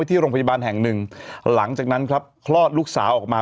ที่โรงพยาบาลแห่งหนึ่งหลังจากนั้นครับคลอดลูกสาวออกมา